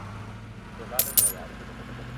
Xogada ensaiada.